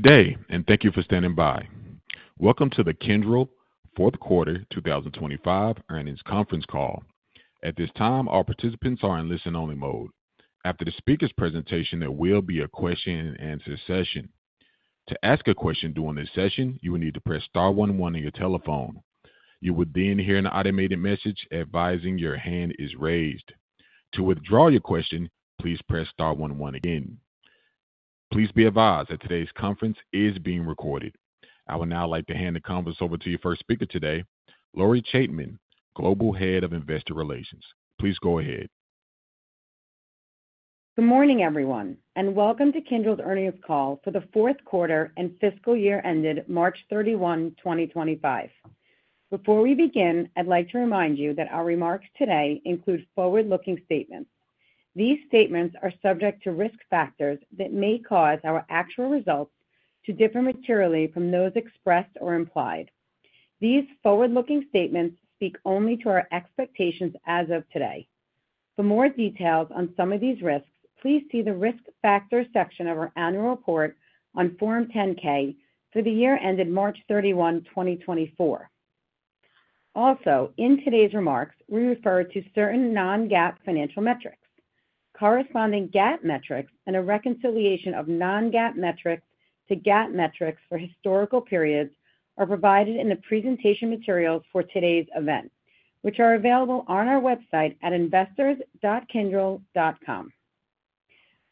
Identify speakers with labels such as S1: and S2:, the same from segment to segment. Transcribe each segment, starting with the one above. S1: Today, and thank you for standing by. Welcome to the Kyndryl Q4 2025 earnings conference call. At this time, all participants are in listen-only mode. After the speaker's presentation, there will be a question-and-answer session. To ask a question during this session, you will need to press star 11 on your telephone. You will then hear an automated message advising your hand is raised. To withdraw your question, please press star 11 again. Please be advised that today's conference is being recorded. I would now like to hand the conference over to your first speaker today, Lori Chaitman, Global Head of Investor Relations. Please go ahead.
S2: Good morning, everyone, and welcome to Kyndryl's earnings call for Q4 and fiscal year ended March 31, 2025. Before we begin, I'd like to remind you that our remarks today include forward-looking statements. These statements are subject to risk factors that may cause our actual results to differ materially from those expressed or implied. These forward-looking statements speak only to our expectations as of today. For more details on some of these risks, please see the risk factor section of our annual report on Form 10-K for the year ended March 31, 2024. Also, in today's remarks, we refer to certain non-GAAP financial metrics. Corresponding GAAP metrics and a reconciliation of non-GAAP metrics to GAAP metrics for historical periods are provided in the presentation materials for today's event, which are available on our website at investors.kyndryl.com.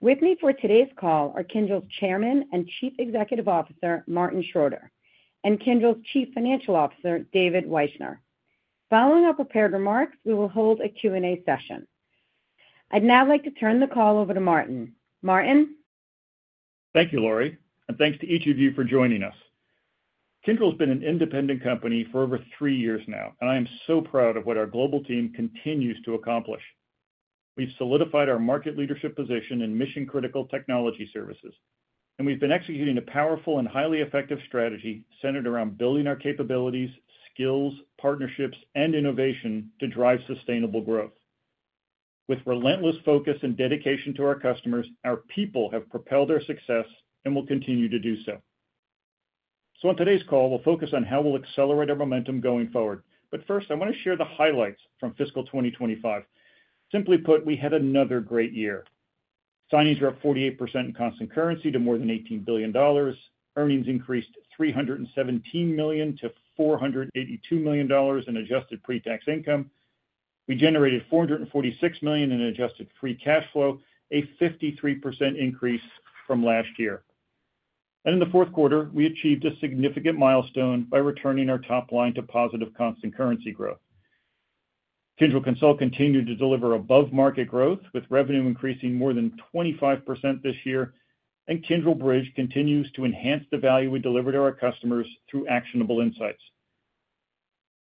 S2: With me for today's call are Kyndryl's Chairman and Chief Executive Officer, Martin Schroeter, and Kyndryl's Chief Financial Officer, David Wyshner. Following our prepared remarks, we will hold a Q&A session. I'd now like to turn the call over to Martin. Martin?
S3: Thank you, Lori, and thanks to each of you for joining us. Kyndryl has been an independent company for over 3 years now, and I am so proud of what our global team continues to accomplish. We've solidified our market leadership position in mission-critical technology services, and we've been executing a powerful and highly effective strategy centered around building our capabilities, skills, partnerships, and innovation to drive sustainable growth. With relentless focus and dedication to our customers, our people have propelled our success and will continue to do so. On today's call, we'll focus on how we'll accelerate our momentum going forward. First, I want to share the highlights from fiscal 2025. Simply put, we had another great year. Signings were up 48% in constant currency to more than $18 billion. Earnings increased $317 million-$482 million in adjusted pre-tax income. We generated $446 million in adjusted free cash flow, a 53% increase from last year. In the fourth quarter, we achieved a significant milestone by returning our top line to positive constant currency growth. Kyndryl Consult continued to deliver above-market growth, with revenue increasing more than 25% this year, and Kyndryl Bridge continues to enhance the value we deliver to our customers through actionable insights.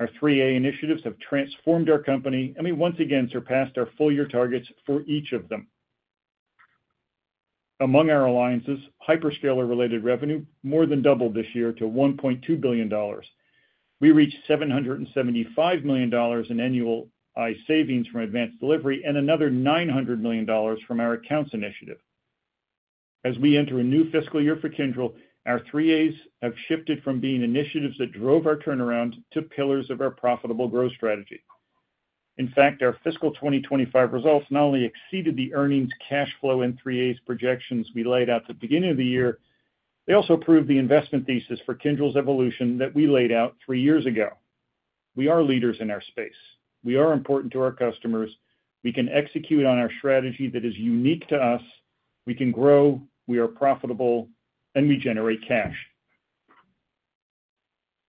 S3: Our 3A initiatives have transformed our company, and we once again surpassed our full-year targets for each of them. Among our alliances, hyperscaler-related revenue more than doubled this year to $1.2 billion. We reached $775 million in annualized savings from advanced delivery and another $900 million from our accounts initiative. As we enter a new fiscal year for Kyndryl, our 3As have shifted from being initiatives that drove our turnaround to pillars of our profitable growth strategy. In fact, our fiscal 2025 results not only exceeded the earnings, cash flow, and 3A projections we laid out at the beginning of the year, they also proved the investment thesis for Kyndryl's evolution that we laid out three years ago. We are leaders in our space. We are important to our customers. We can execute on our strategy that is unique to us. We can grow. We are profitable, and we generate cash.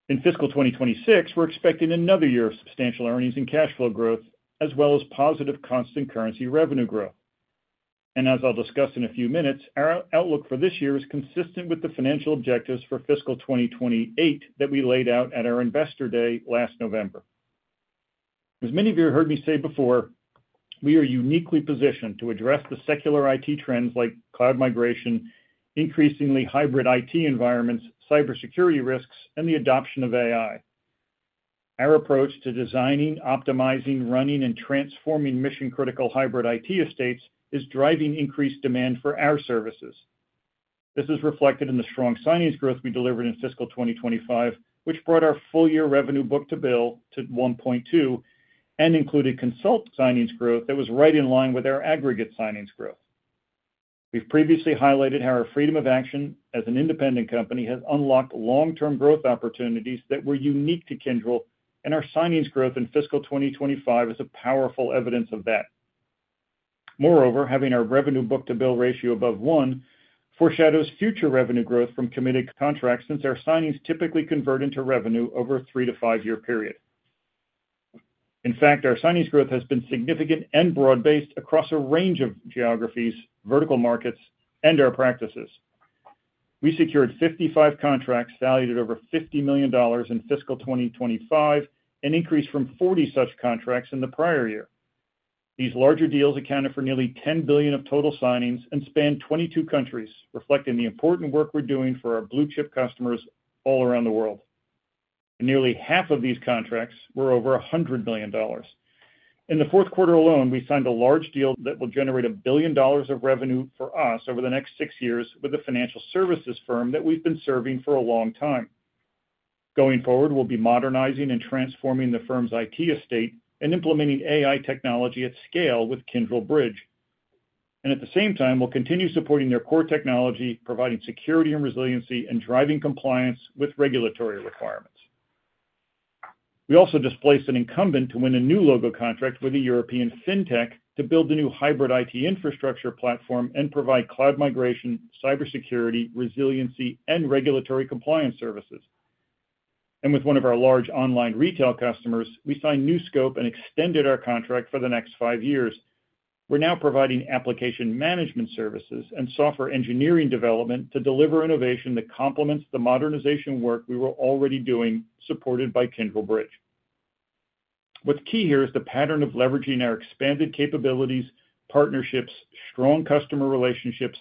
S3: In fiscal 2026, we're expecting another year of substantial earnings and cash flow growth, as well as positive constant currency revenue growth. As I'll discuss in a few minutes, our outlook for this year is consistent with the financial objectives for fiscal 2028 that we laid out at our investor day last November. As many of you have heard me say before, we are uniquely positioned to address the secular IT trends like cloud migration, increasingly hybrid IT environments, cybersecurity risks, and the adoption of AI. Our approach to designing, optimizing, running, and transforming mission-critical hybrid IT estates is driving increased demand for our services. This is reflected in the strong signings growth we delivered in fiscal 2025, which brought our full-year revenue book to bill to $1.2 billion and included consult signings growth that was right in line with our aggregate signings growth. We've previously highlighted how our freedom of action as an independent company has unlocked long-term growth opportunities that were unique to Kyndryl, and our signings growth in fiscal 2025 is a powerful evidence of that. Moreover, having our revenue book to bill ratio above one foreshadows future revenue growth from committed contracts since our signings typically convert into revenue over a three to five-year period. In fact, our signings growth has been significant and broad-based across a range of geographies, vertical markets, and our practices. We secured 55 contracts valued at over $50 million in fiscal 2025, an increase from 40 such contracts in the prior year. These larger deals accounted for nearly $10 billion of total signings and spanned 22 countries, reflecting the important work we're doing for our blue-chip customers all around the world. Nearly half of these contracts were over $100 million. In the fourth quarter alone, we signed a large deal that will generate $1 billion of revenue for us over the next six years with a financial services firm that we've been serving for a long time. Going forward, we'll be modernizing and transforming the firm's IT estate and implementing AI technology at scale with Kyndryl Bridge. At the same time, we'll continue supporting their core technology, providing security and resiliency, and driving compliance with regulatory requirements. We also displaced an incumbent to win a new logo contract with a European fintech to build a new hybrid IT infrastructure platform and provide cloud migration, cybersecurity, resiliency, and regulatory compliance services. With one of our large online retail customers, we signed NuScope and extended our contract for the next five years. We're now providing application management services and software engineering development to deliver innovation that complements the modernization work we were already doing, supported by Kyndryl Bridge. What's key here is the pattern of leveraging our expanded capabilities, partnerships, strong customer relationships,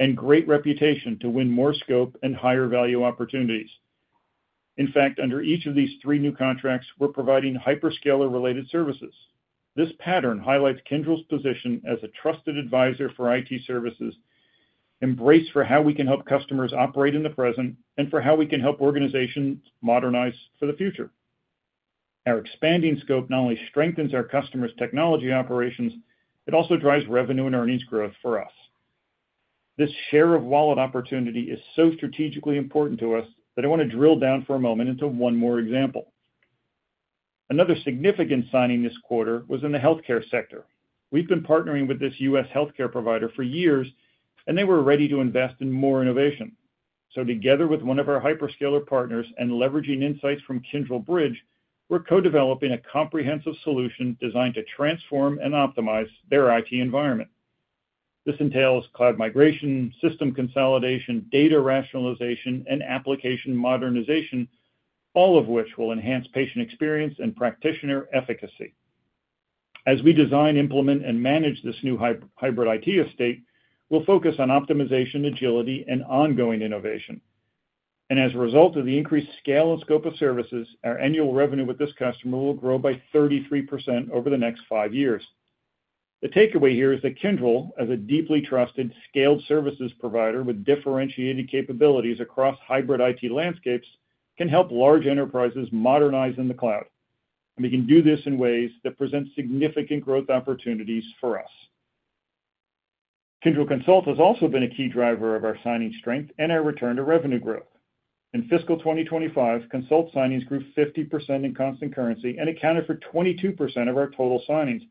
S3: and great reputation to win more scope and higher value opportunities. In fact, under each of these three new contracts, we're providing hyperscaler-related services. This pattern highlights Kyndryl's position as a trusted advisor for IT services, embrace for how we can help customers operate in the present, and for how we can help organizations modernize for the future. Our expanding scope not only strengthens our customers' technology operations, it also drives revenue and earnings growth for us. This share of wallet opportunity is so strategically important to us that I want to drill down for a moment into one more example. Another significant signing this quarter was in the healthcare sector. We've been partnering with this U.S. healthcare provider for years, and they were ready to invest in more innovation. Together with one of our hyperscaler partners and leveraging insights from Kyndryl Bridge, we're co-developing a comprehensive solution designed to transform and optimize their IT environment. This entails cloud migration, system consolidation, data rationalization, and application modernization, all of which will enhance patient experience and practitioner efficacy. As we design, implement, and manage this new hybrid IT estate, we will focus on optimization, agility, and ongoing innovation. As a result of the increased scale and scope of services, our annual revenue with this customer will grow by 33% over the next five years. The takeaway here is that Kyndryl, as a deeply trusted, scaled services provider with differentiated capabilities across hybrid IT landscapes, can help large enterprises modernize in the cloud. We can do this in ways that present significant growth opportunities for us. Kyndryl Consult has also been a key driver of our signing strength and our return to revenue growth. In fiscal 2025, consult signings grew 50% in constant currency and accounted for 22% of our total signings.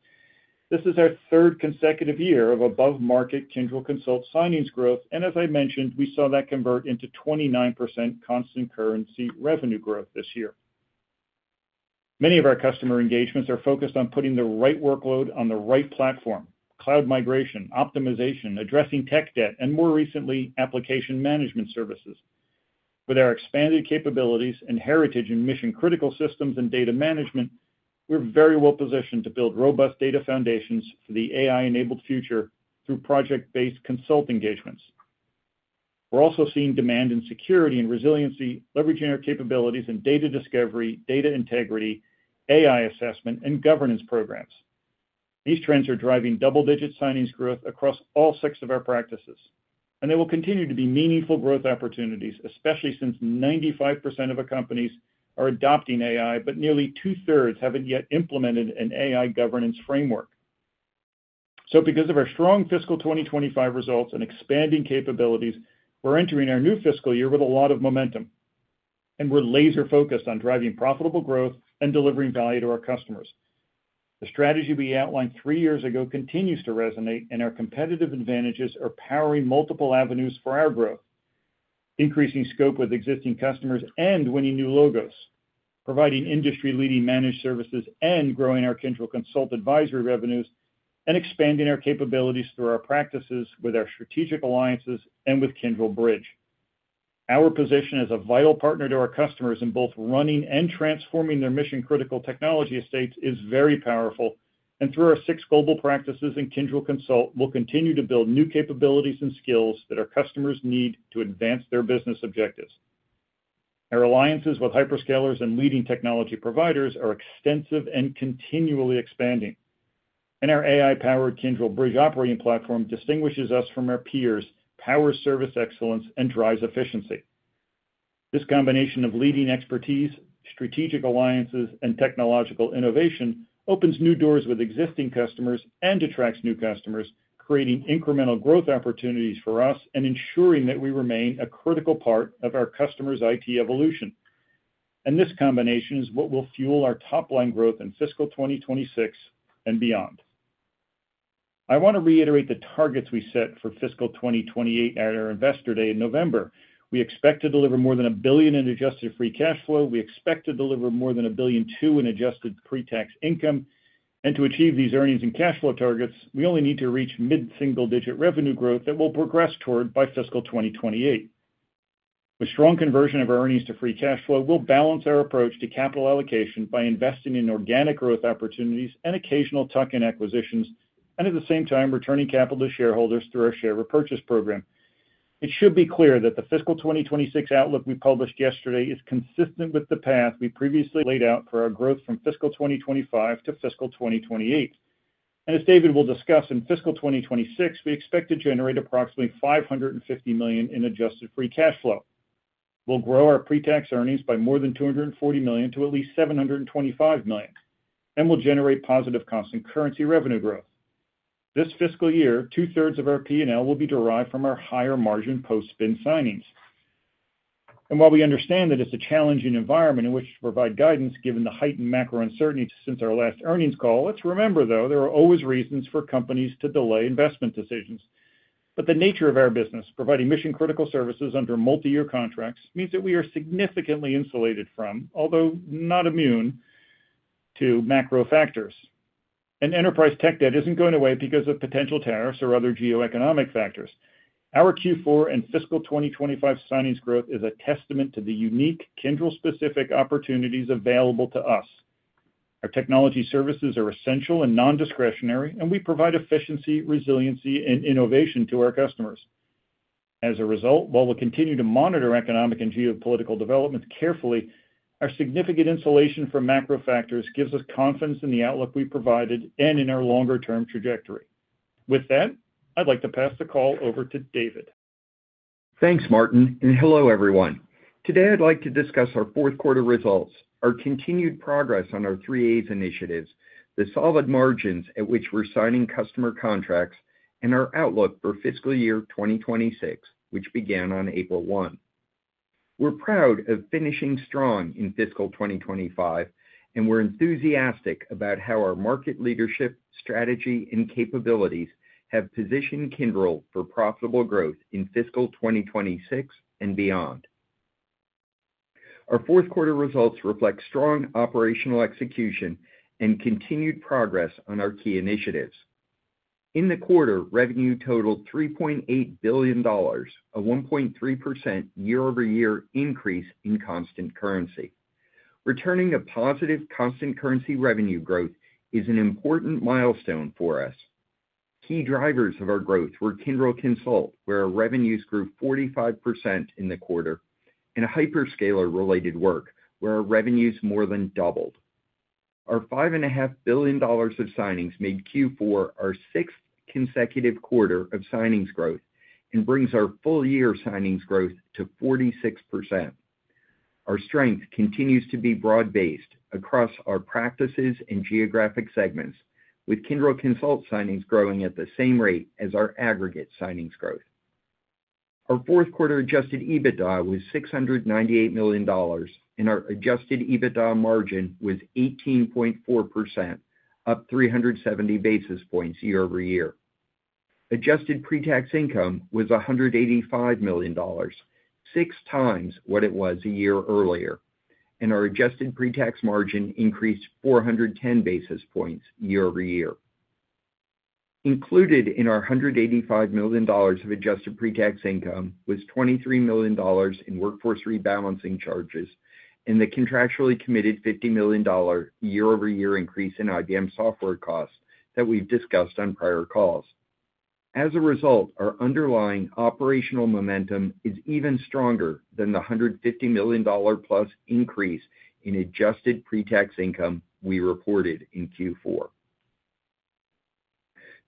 S3: This is our third consecutive year of above-market Kyndryl Consult signings growth, and as I mentioned, we saw that convert into 29% constant currency revenue growth this year. Many of our customer engagements are focused on putting the right workload on the right platform: cloud migration, optimization, addressing tech debt, and more recently, application management services. With our expanded capabilities and heritage in mission-critical systems and data management, we're very well positioned to build robust data foundations for the AI-enabled future through project-based consult engagements. We're also seeing demand in security and resiliency, leveraging our capabilities in data discovery, data integrity, AI assessment, and governance programs. These trends are driving double-digit signings growth across all six of our practices, and they will continue to be meaningful growth opportunities, especially since 95% of our companies are adopting AI, but nearly two-thirds haven't yet implemented an AI governance framework. Because of our strong fiscal 2025 results and expanding capabilities, we're entering our new fiscal year with a lot of momentum, and we're laser-focused on driving profitable growth and delivering value to our customers. The strategy we outlined three years ago continues to resonate, and our competitive advantages are powering multiple avenues for our growth: increasing scope with existing customers and winning new logos, providing industry-leading managed services and growing our Kyndryl Consult advisory revenues, and expanding our capabilities through our practices with our strategic alliances and with Kyndryl Bridge. Our position as a vital partner to our customers in both running and transforming their mission-critical technology estates is very powerful, and through our six global practices in Kyndryl Consult, we'll continue to build new capabilities and skills that our customers need to advance their business objectives. Our alliances with hyperscalers and leading technology providers are extensive and continually expanding, and our AI-powered Kyndryl Bridge operating platform distinguishes us from our peers, powers service excellence, and drives efficiency. This combination of leading expertise, strategic alliances, and technological innovation opens new doors with existing customers and attracts new customers, creating incremental growth opportunities for us and ensuring that we remain a critical part of our customers' IT evolution. This combination is what will fuel our top-line growth in fiscal 2026 and beyond. I want to reiterate the targets we set for fiscal 2028 at our investor day in November. We expect to deliver more than $1 billion in adjusted free cash flow. We expect to deliver more than $1 billion in adjusted pre-tax income. To achieve these earnings and cash flow targets, we only need to reach mid-single-digit revenue growth that we'll progress toward by fiscal 2028. With strong conversion of our earnings to free cash flow, we'll balance our approach to capital allocation by investing in organic growth opportunities and occasional tuck-in acquisitions, and at the same time, returning capital to shareholders through our share repurchase program. It should be clear that the fiscal 2026 outlook we published yesterday is consistent with the path we previously laid out for our growth from fiscal 2025 to fiscal 2028. As David will discuss, in fiscal 2026, we expect to generate approximately $550 million in adjusted free cash flow. We'll grow our pre-tax earnings by more than $240 million to at least $725 million, and we'll generate positive constant currency revenue growth. This fiscal year, two-thirds of our P&L will be derived from our higher margin post-spin signings. While we understand that it's a challenging environment in which to provide guidance given the heightened macro uncertainty since our last earnings call, let's remember, though, there are always reasons for companies to delay investment decisions. The nature of our business, providing mission-critical services under multi-year contracts, means that we are significantly insulated from, although not immune to, macro factors. Enterprise tech debt isn't going away because of potential tariffs or other geoeconomic factors. Our Q4 and fiscal 2025 signings growth is a testament to the unique Kyndryl-specific opportunities available to us. Our technology services are essential and non-discretionary, and we provide efficiency, resiliency, and innovation to our customers. As a result, while we'll continue to monitor economic and geopolitical developments carefully, our significant insulation from macro factors gives us confidence in the outlook we provided and in our longer-term trajectory. With that, I'd like to pass the call over to David.
S4: Thanks, Martin, and hello, everyone. Today, I'd like to discuss our fourth quarter results, our continued progress on our 3A initiatives, the solid margins at which we're signing customer contracts, and our outlook for fiscal year 2026, which began on April 1. We're proud of finishing strong in fiscal 2025, and we're enthusiastic about how our market leadership, strategy, and capabilities have positioned Kyndryl for profitable growth in fiscal 2026 and beyond. Our fourth quarter results reflect strong operational execution and continued progress on our key initiatives. In the quarter, revenue totaled $3.8 billion, a 1.3% year-over-year increase in constant currency. Returning a positive constant currency revenue growth is an important milestone for us. Key drivers of our growth were Kyndryl Consult, where our revenues grew 45% in the quarter, and hyperscaler-related work, where our revenues more than doubled. Our $5.5 billion of signings made Q4 our sixth consecutive quarter of signings growth and brings our full-year signings growth to 46%. Our strength continues to be broad-based across our practices and geographic segments, with Kyndryl Consult signings growing at the same rate as our aggregate signings growth. Our fourth quarter adjusted EBITDA was $698 million, and our adjusted EBITDA margin was 18.4%, up 370 basis points year-over-year. Adjusted pre-tax income was $185 million, six times what it was a year earlier, and our adjusted pre-tax margin increased 410 basis points year-over-year. Included in our $185 million of adjusted pre-tax income was $23 million in workforce rebalancing charges and the contractually committed $50 million year-over-year increase in IBM software costs that we've discussed on prior calls. As a result, our underlying operational momentum is even stronger than the $150 million-plus increase in adjusted pre-tax income we reported in Q4.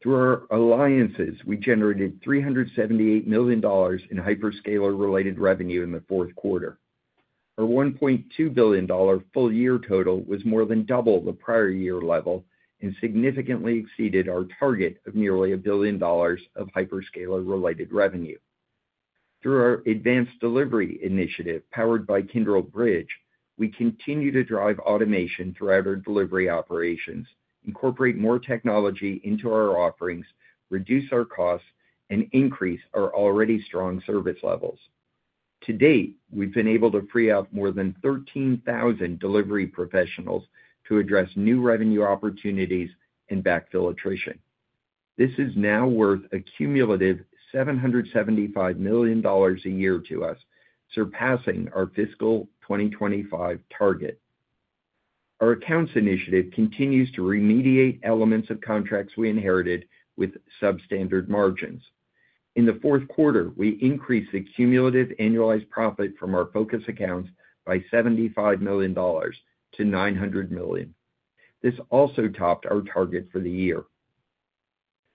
S4: Through our alliances, we generated $378 million in hyperscaler-related revenue in the fourth quarter. Our $1.2 billion full-year total was more than double the prior year level and significantly exceeded our target of nearly a billion dollars of hyperscaler-related revenue. Through our advanced delivery initiative powered by Kyndryl Bridge, we continue to drive automation throughout our delivery operations, incorporate more technology into our offerings, reduce our costs, and increase our already strong service levels. To date, we've been able to free up more than 13,000 delivery professionals to address new revenue opportunities and backfill attrition. This is now worth a cumulative $775 million a year to us, surpassing our fiscal 2025 target. Our accounts initiative continues to remediate elements of contracts we inherited with substandard margins. In the fourth quarter, we increased the cumulative annualized profit from our focus accounts by $75 million to $900 million. This also topped our target for the year.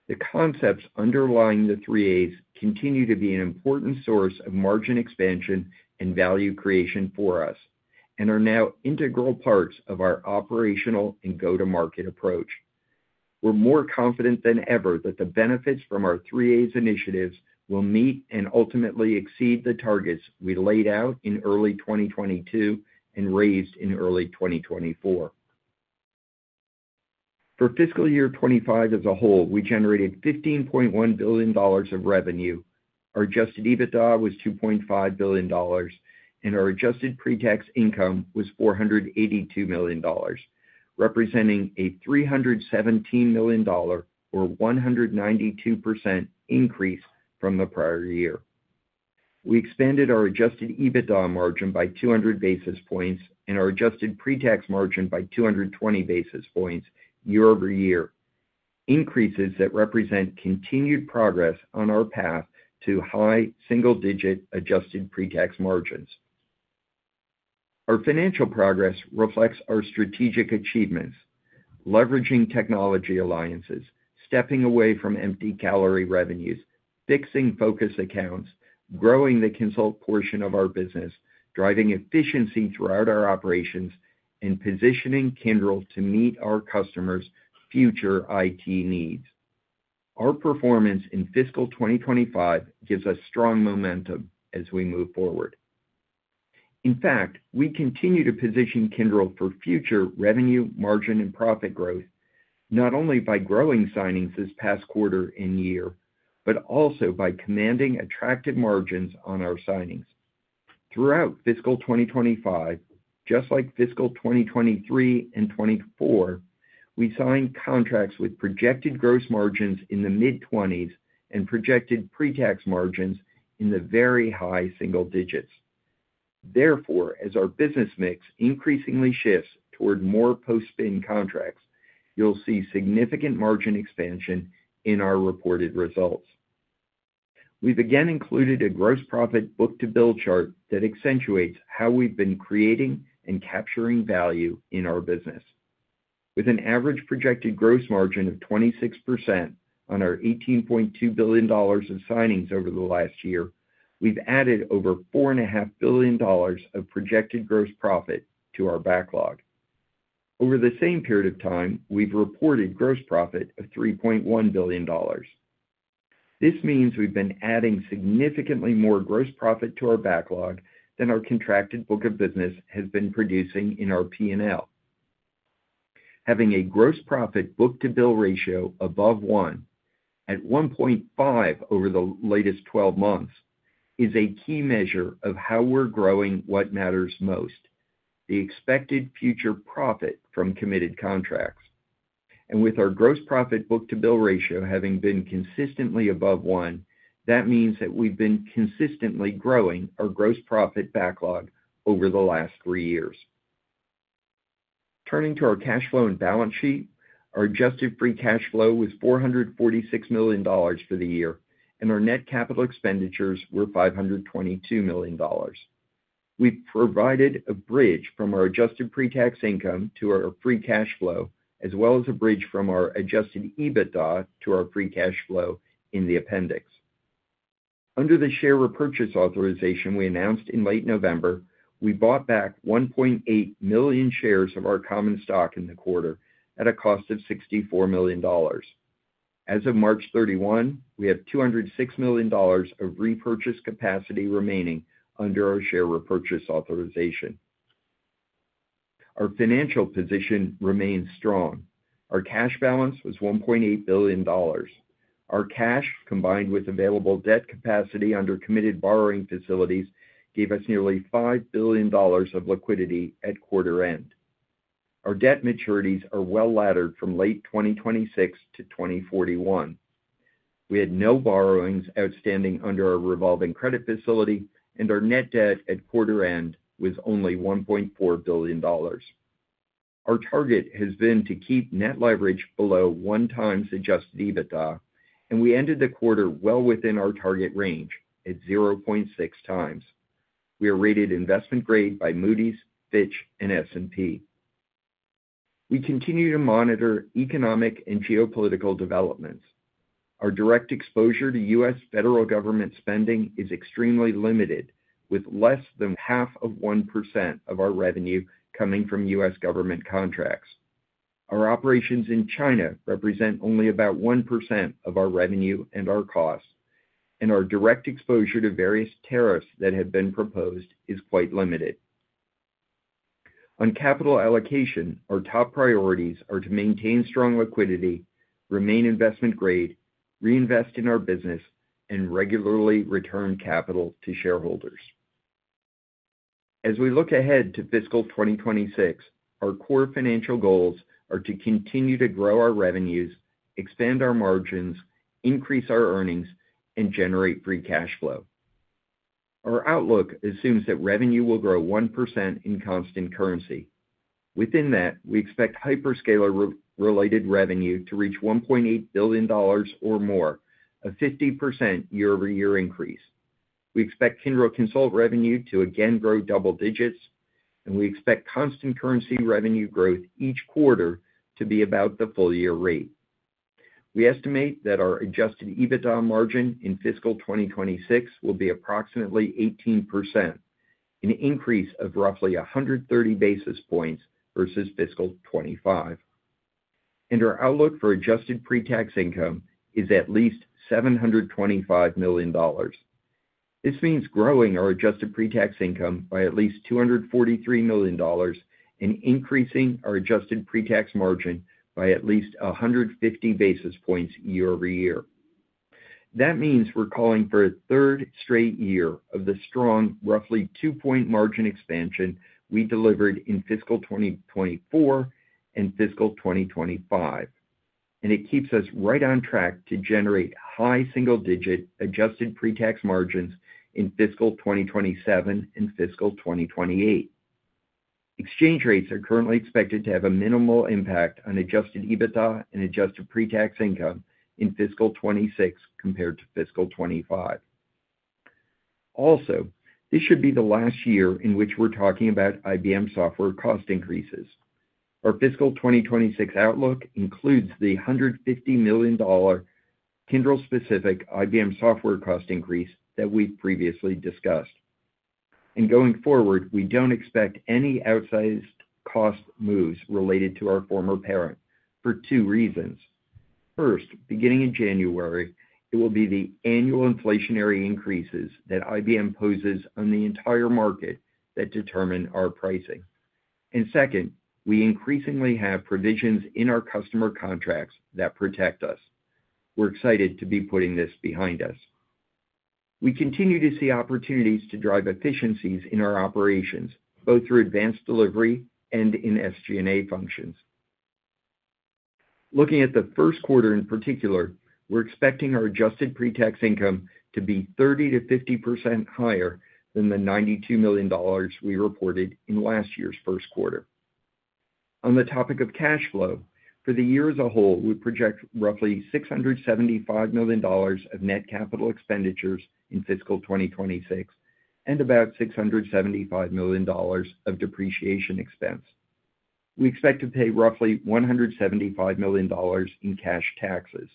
S4: The concepts underlying the 3A initiatives continue to be an important source of margin expansion and value creation for us and are now integral parts of our operational and go-to-market approach. We're more confident than ever that the benefits from our 3A initiatives will meet and ultimately exceed the targets we laid out in early 2022 and raised in early 2024. For fiscal year 2025 as a whole, we generated $15.1 billion of revenue. Our adjusted EBITDA was $2.5 billion, and our adjusted pre-tax income was $482 million, representing a $317 million, or 192% increase from the prior year. We expanded our adjusted EBITDA margin by 200 basis points and our adjusted pre-tax margin by 220 basis points year-over-year, increases that represent continued progress on our path to high single-digit adjusted pre-tax margins. Our financial progress reflects our strategic achievements, leveraging technology alliances, stepping away from empty calorie revenues, fixing focus accounts, growing the consult portion of our business, driving efficiency throughout our operations, and positioning Kyndryl to meet our customers' future IT needs. Our performance in fiscal 2025 gives us strong momentum as we move forward. In fact, we continue to position Kyndryl for future revenue, margin, and profit growth, not only by growing signings this past quarter and year, but also by commanding attractive margins on our signings. Throughout fiscal 2025, just like fiscal 2023 and 2024, we signed contracts with projected gross margins in the mid-20% and projected pre-tax margins in the very high single digits. Therefore, as our business mix increasingly shifts toward more post-spin contracts, you'll see significant margin expansion in our reported results. We've again included a gross profit book-to-bill chart that accentuates how we've been creating and capturing value in our business. With an average projected gross margin of 26% on our $18.2 billion of signings over the last year, we've added over $4.5 billion of projected gross profit to our backlog. Over the same period of time, we've reported gross profit of $3.1 billion. This means we've been adding significantly more gross profit to our backlog than our contracted book of business has been producing in our P&L. Having a gross profit book-to-bill ratio above one, at 1.5 over the latest 12 months, is a key measure of how we're growing what matters most: the expected future profit from committed contracts. With our gross profit book-to-bill ratio having been consistently above one, that means that we've been consistently growing our gross profit backlog over the last three years. Turning to our cash flow and balance sheet, our adjusted free cash flow was $446 million for the year, and our net capital expenditures were $522 million. We've provided a bridge from our adjusted pre-tax income to our free cash flow, as well as a bridge from our adjusted EBITDA to our free cash flow in the appendix. Under the share repurchase authorization we announced in late November, we bought back 1.8 million shares of our common stock in the quarter at a cost of $64 million. As of March 31, we have $206 million of repurchase capacity remaining under our share repurchase authorization. Our financial position remains strong. Our cash balance was $1.8 billion. Our cash, combined with available debt capacity under committed borrowing facilities, gave us nearly $5 billion of liquidity at quarter end. Our debt maturities are well laddered from late 2026-2041. We had no borrowings outstanding under our revolving credit facility, and our net debt at quarter end was only $1.4 billion. Our target has been to keep net leverage below one times adjusted EBITDA, and we ended the quarter well within our target range at 0.6 times. We are rated investment-grade by Moody's, Fitch, and S&P. We continue to monitor economic and geopolitical developments. Our direct exposure to U.S. federal government spending is extremely limited, with less than half of 1% of our revenue coming from U.S. government contracts. Our operations in China represent only about 1% of our revenue and our costs, and our direct exposure to various tariffs that have been proposed is quite limited. On capital allocation, our top priorities are to maintain strong liquidity, remain investment-grade, reinvest in our business, and regularly return capital to shareholders. As we look ahead to fiscal 2026, our core financial goals are to continue to grow our revenues, expand our margins, increase our earnings, and generate free cash flow. Our outlook assumes that revenue will grow 1% in constant currency. Within that, we expect hyperscaler-related revenue to reach $1.8 billion or more, a 50% year-over-year increase. We expect Kyndryl Consult revenue to again grow double digits, and we expect constant currency revenue growth each quarter to be about the full-year rate. We estimate that our adjusted EBITDA margin in fiscal 2026 will be approximately 18%, an increase of roughly 130 basis points versus fiscal 2025. Our outlook for adjusted pre-tax income is at least $725 million. This means growing our adjusted pre-tax income by at least $243 million and increasing our adjusted pre-tax margin by at least 150 basis points year-over-year. That means we're calling for a third straight year of the strong, roughly two-point margin expansion we delivered in fiscal 2024 and fiscal 2025. It keeps us right on track to generate high single-digit adjusted pre-tax margins in fiscal 2027 and fiscal 2028. Exchange rates are currently expected to have a minimal impact on adjusted EBITDA and adjusted pre-tax income in fiscal 2026 compared to fiscal 2025. Also, this should be the last year in which we're talking about IBM software cost increases. Our fiscal 2026 outlook includes the $150 million Kyndryl-specific IBM software cost increase that we've previously discussed. Going forward, we don't expect any outsized cost moves related to our former parent for two reasons. First, beginning in January, it will be the annual inflationary increases that IBM poses on the entire market that determine our pricing. Second, we increasingly have provisions in our customer contracts that protect us. We're excited to be putting this behind us. We continue to see opportunities to drive efficiencies in our operations, both through advanced delivery and in SG&A functions. Looking at the first quarter in particular, we're expecting our adjusted pre-tax income to be 30%-50% higher than the $92 million we reported in last year's first quarter. On the topic of cash flow, for the year as a whole, we project roughly $675 million of net capital expenditures in fiscal 2026 and about $675 million of depreciation expense. We expect to pay roughly $175 million in cash taxes.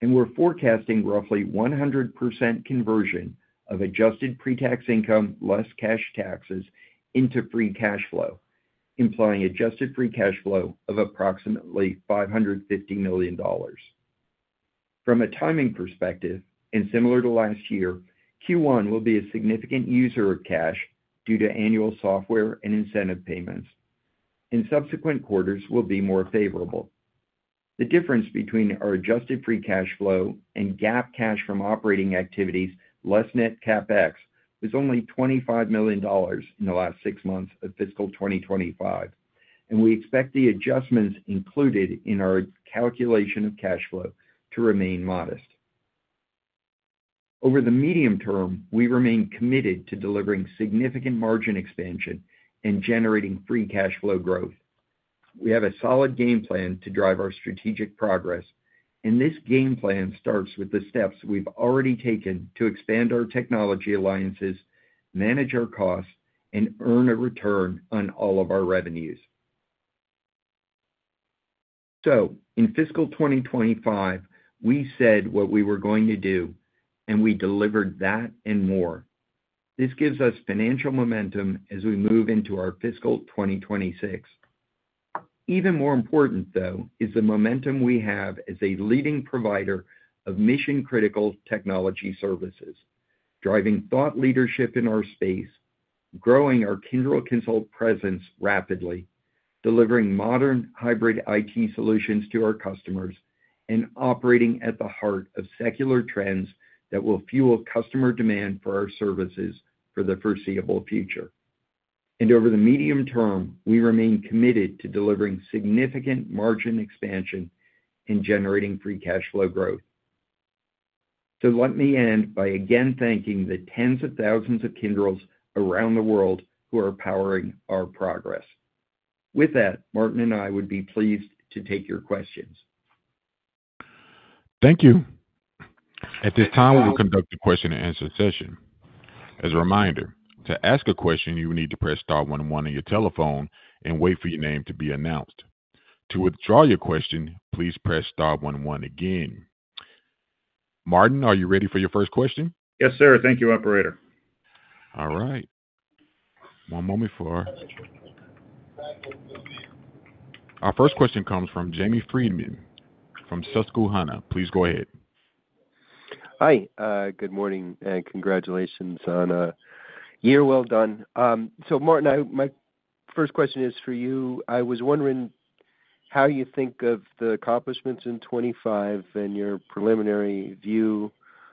S4: We're forecasting roughly 100% conversion of adjusted pre-tax income less cash taxes into free cash flow, implying adjusted free cash flow of approximately $550 million. From a timing perspective, and similar to last year, Q1 will be a significant user of cash due to annual software and incentive payments, and subsequent quarters will be more favorable. The difference between our adjusted free cash flow and GAAP cash from operating activities less net CapEx was only $25 million in the last six months of fiscal 2025, and we expect the adjustments included in our calculation of cash flow to remain modest. Over the medium term, we remain committed to delivering significant margin expansion and generating free cash flow growth. We have a solid game plan to drive our strategic progress, and this game plan starts with the steps we have already taken to expand our technology alliances, manage our costs, and earn a return on all of our revenues. In fiscal 2025, we said what we were going to do, and we delivered that and more. This gives us financial momentum as we move into our fiscal 2026.
S3: Even more important, though, is the momentum we have as a leading provider of mission-critical technology services, driving thought leadership in our space, growing our Kyndryl Consult presence rapidly, delivering modern hybrid IT solutions to our customers, and operating at the heart of secular trends that will fuel customer demand for our services for the foreseeable future. Over the medium term, we remain committed to delivering significant margin expansion and generating free cash flow growth. Let me end by again thanking the tens of thousands of Kyndryls around the world who are powering our progress. With that, Martin and I would be pleased to take your questions.
S1: Thank you. At this time, we'll conduct a question-and-answer session. As a reminder, to ask a question, you will need to press star 11 on your telephone and wait for your name to be announced. To withdraw your question, please press star 11 again. Martin, are you ready for your first question?
S3: Yes, sir. Thank you, Operator.
S1: All right. One moment for our first question comes from Jamie Friedman from Susquehanna. Please go ahead. Hi.
S5: Good morning and congratulations on a year well done. Martin, my first question is for you. I was wondering how you think of the accomplishments in 2025 and your preliminary view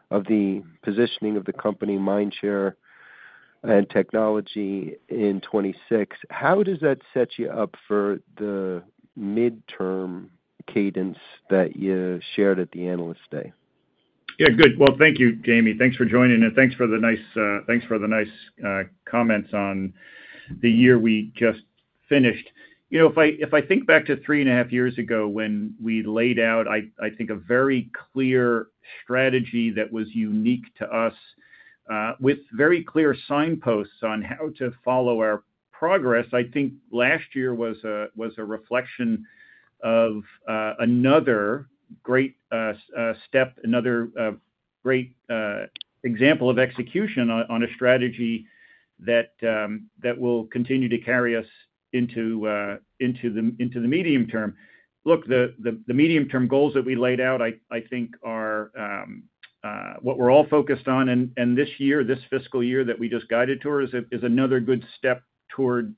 S5: of the positioning of the company Mindshare and technology in 2026. How does that set you up for the midterm cadence that you shared at the analyst day?
S3: Good. Thank you, Jamie. Thanks for joining, and thanks for the nice comments on the year we just finished. If I think back to three and a half years ago when we laid out, I think, a very clear strategy that was unique to us with very clear signposts on how to follow our progress, I think last year was a reflection of another great step, another great example of execution on a strategy that will continue to carry us into the medium term. Look, the medium-term goals that we laid out, I think, are what we're all focused on. This year, this fiscal year that we just guided towards is another good step toward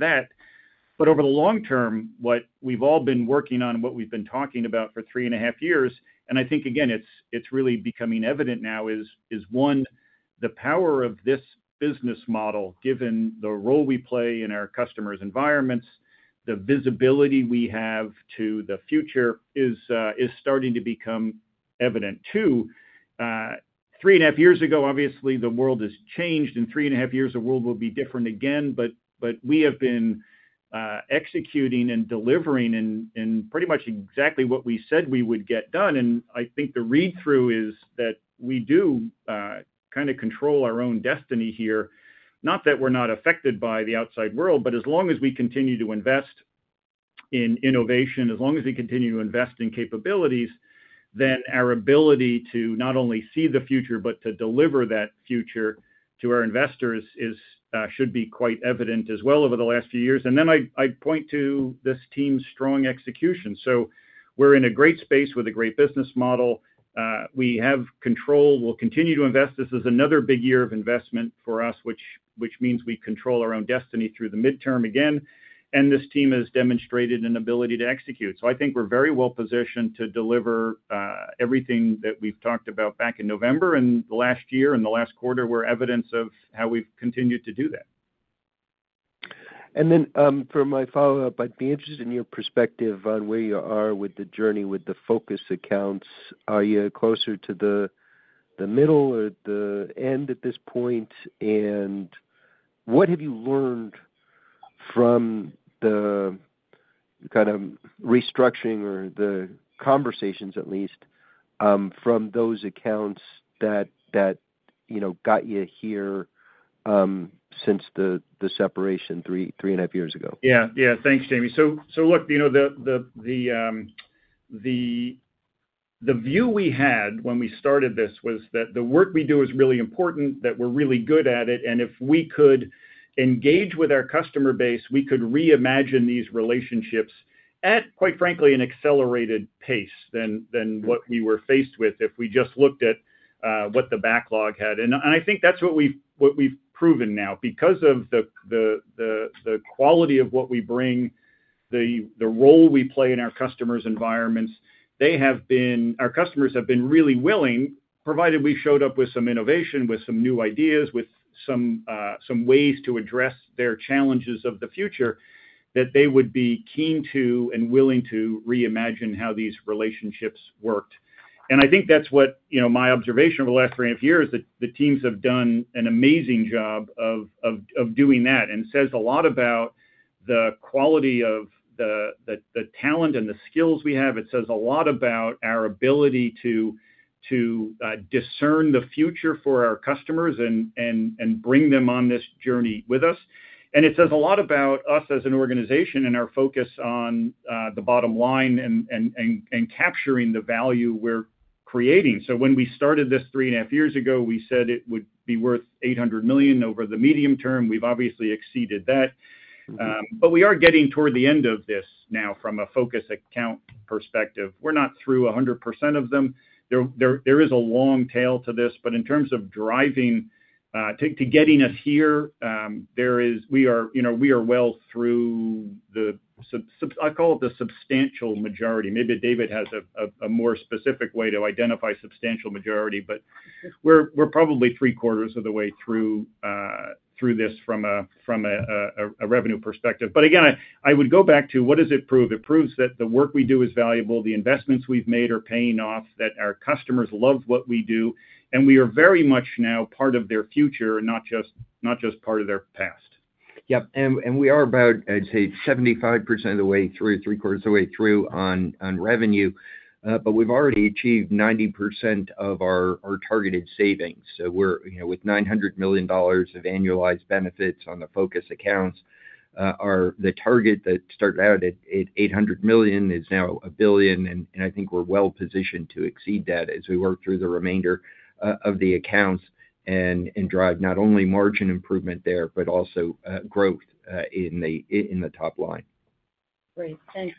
S3: that. Over the long term, what we've all been working on and what we've been talking about for three and a half years, and I think, again, it's really becoming evident now, is one, the power of this business model, given the role we play in our customers' environments, the visibility we have to the future is starting to become evident. Two, three and a half years ago, obviously, the world has changed, and three and a half years, the world will be different again. We have been executing and delivering in pretty much exactly what we said we would get done. I think the read-through is that we do kind of control our own destiny here. Not that we're not affected by the outside world, but as long as we continue to invest in innovation, as long as we continue to invest in capabilities, then our ability to not only see the future, but to deliver that future to our investors should be quite evident as well over the last few years. I point to this team's strong execution. We are in a great space with a great business model. We have control. We'll continue to invest. This is another big year of investment for us, which means we control our own destiny through the midterm again. This team has demonstrated an ability to execute. I think we're very well positioned to deliver everything that we've talked about back in November and last year and the last quarter were evidence of how we've continued to do that.
S5: For my follow-up, I'd be interested in your perspective on where you are with the journey with the focus accounts. Are you closer to the middle or the end at this point? What have you learned from the kind of restructuring or the conversations, at least, from those accounts that got you here since the separation three and a half years ago?
S3: Yeah. Yeah. Thanks, Jamie. The view we had when we started this was that the work we do is really important, that we're really good at it. If we could engage with our customer base, we could reimagine these relationships at, quite frankly, an accelerated pace than what we were faced with if we just looked at what the backlog had. I think that's what we've proven now. Because of the quality of what we bring, the role we play in our customers' environments, our customers have been really willing, provided we showed up with some innovation, with some new ideas, with some ways to address their challenges of the future, that they would be keen to and willing to reimagine how these relationships worked. I think that's what my observation over the last three and a half years, the teams have done an amazing job of doing that and says a lot about the quality of the talent and the skills we have. It says a lot about our ability to discern the future for our customers and bring them on this journey with us. It says a lot about us as an organization and our focus on the bottom line and capturing the value we're creating. When we started this three and a half years ago, we said it would be worth $800 million over the medium term. We have obviously exceeded that. We are getting toward the end of this now from a focus account perspective. We are not through 100% of them. There is a long tail to this. In terms of driving to getting us here, we are well through the, I call it the substantial majority. Maybe David has a more specific way to identify substantial majority, but we are probably three quarters of the way through this from a revenue perspective. I would go back to what does it prove? It proves that the work we do is valuable, the investments we have made are paying off, that our customers love what we do, and we are very much now part of their future, not just part of their past.
S4: Yep. We are about, I'd say, 75% of the way through, three quarters of the way through on revenue. We've already achieved 90% of our targeted savings. With $900 million of annualized benefits on the focus accounts, the target that started out at $800 million is now $1 billion. I think we're well positioned to exceed that as we work through the remainder of the accounts and drive not only margin improvement there, but also growth in the top line.
S5: Great. Thanks.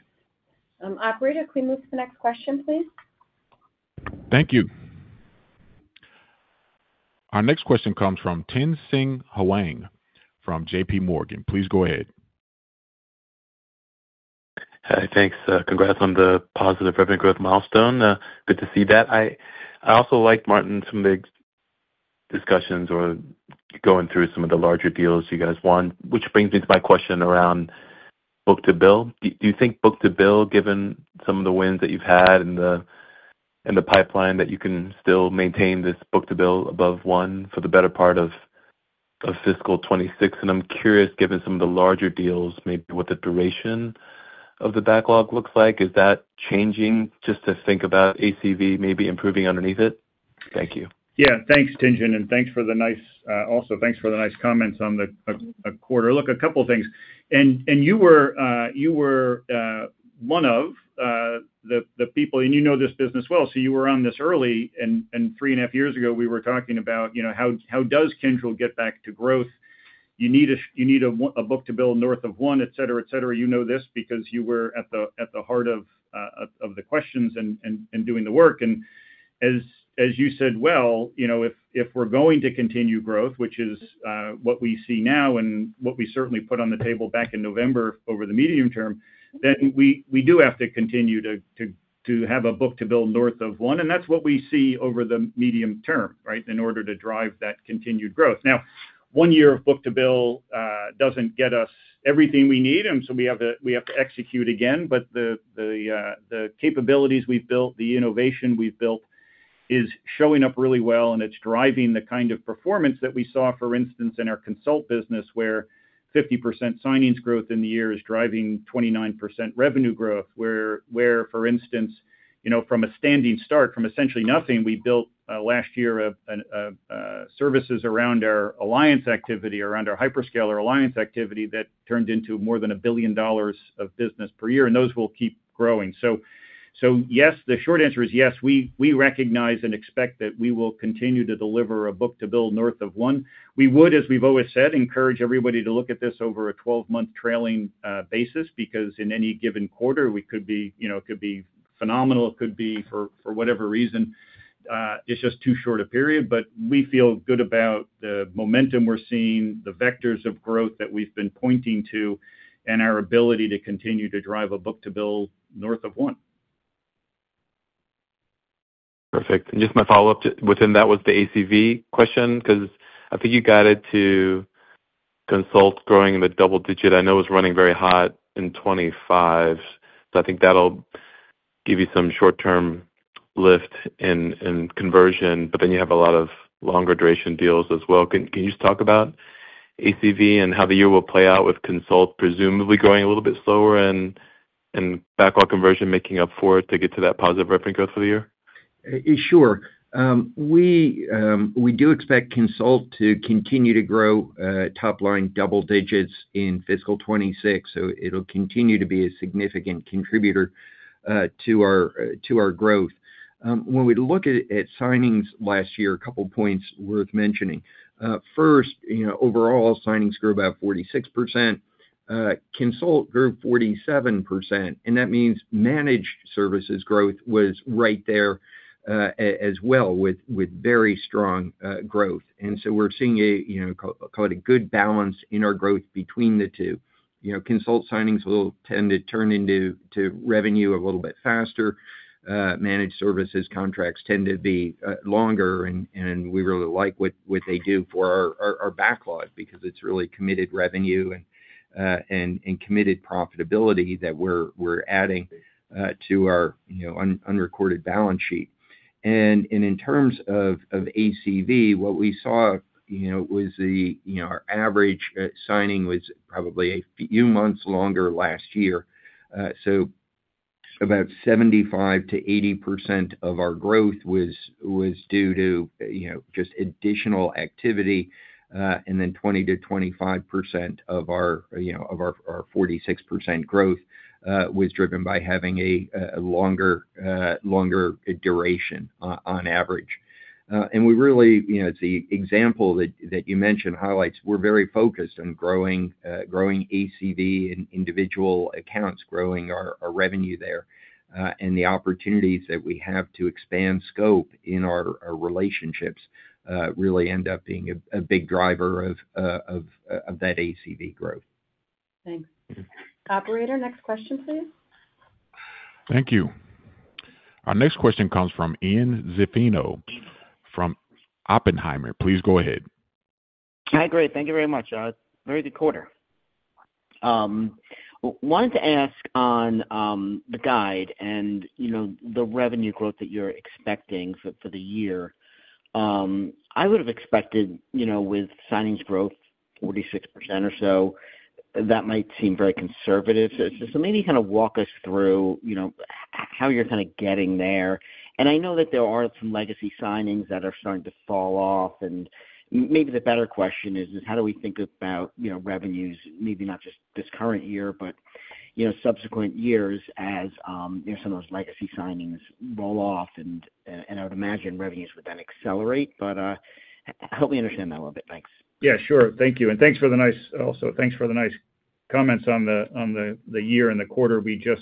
S2: Operator, can we move to the next question, please?
S1: Thank you. Our next question comes from Tien-Tsin Huang from JPMorgan. Please go ahead.
S6: Hi. Thanks. Congrats on the positive revenue growth milestone. Good to see that. I also liked, Martin, some of the discussions or going through some of the larger deals you guys won, which brings me to my question around book to bill. Do you think book to bill, given some of the wins that you've had and the pipeline, that you can still maintain this book to bill above one for the better part of fiscal 2026? I'm curious, given some of the larger deals, maybe what the duration of the backlog looks like. Is that changing just to think about ACV maybe improving underneath it? Thank you.
S3: Yeah. Thanks, Tien-Tsin. And thanks for the nice, also, thanks for the nice comments on the quarter. Look, a couple of things. You were one of the people, and you know this business well. You were on this early. Three and a half years ago, we were talking about how does Kyndryl get back to growth? You need a book to bill north of one, etc., etc. You know this because you were at the heart of the questions and doing the work. As you said, if we're going to continue growth, which is what we see now and what we certainly put on the table back in November over the medium term, then we do have to continue to have a book to bill north of one. That is what we see over the medium term, right, in order to drive that continued growth. Now, one year of book to bill does not get us everything we need. We have to execute again. The capabilities we have built, the innovation we have built is showing up really well, and it is driving the kind of performance that we saw, for instance, in our consult business, where 50% signings growth in the year is driving 29% revenue growth, where, for instance, from a standing start, from essentially nothing, we built last year services around our alliance activity, around our hyperscaler alliance activity that turned into more than $1 billion of business per year. Those will keep growing. Yes, the short answer is yes. We recognize and expect that we will continue to deliver a book to bill north of one. We would, as we have always said, encourage everybody to look at this over a 12-month trailing basis because in any given quarter, it could be phenomenal. It could be, for whatever reason, it is just too short a period. We feel good about the momentum we're seeing, the vectors of growth that we've been pointing to, and our ability to continue to drive a book to bill north of one.
S6: Perfect. Just my follow-up within that was the ACV question because I think you got it to consult growing in the double digit. I know it was running very hot in 2025. I think that'll give you some short-term lift in conversion. You have a lot of longer duration deals as well. Can you just talk about ACV and how the year will play out with consult presumably growing a little bit slower and backlog conversion making up for it to get to that positive revenue growth for the year?
S4: Sure. We do expect consult to continue to grow top line double digits in fiscal 2026. It'll continue to be a significant contributor to our growth. When we look at signings last year, a couple of points worth mentioning. First, overall, signings grew about 46%. Consult grew 47%. That means managed services growth was right there as well with very strong growth. We're seeing a, call it a good balance in our growth between the two. Consult signings will tend to turn into revenue a little bit faster. Managed services contracts tend to be longer. We really like what they do for our backlog because it's really committed revenue and committed profitability that we're adding to our unrecorded balance sheet. In terms of ACV, what we saw was our average signing was probably a few months longer last year. About 75%-80% of our growth was due to just additional activity. Then 20%-25% of our 46% growth was driven by having a longer duration on average. It is the example that you mentioned highlights. We are very focused on growing ACV and individual accounts, growing our revenue there. The opportunities that we have to expand scope in our relationships really end up being a big driver of that ACV growth.
S2: Thanks. Operator, next question, please.
S1: Thank you. Our next question comes from Ian Zaffino from Oppenheimer. Please go ahead.
S7: Hi, Greg. Thank you very much. Very good quarter. Wanted to ask on the guide and the revenue growth that you are expecting for the year. I would have expected with signings growth, 46% or so, that might seem very conservative. Maybe walk us through how you are getting there. I know that there are some legacy signings that are starting to fall off. Maybe the better question is, how do we think about revenues, maybe not just this current year, but subsequent years as some of those legacy signings roll off? I would imagine revenues would then accelerate. Help me understand that a little bit. Thanks.
S3: Yeah. Sure. Thank you. Thanks for the nice comments on the year and the quarter we just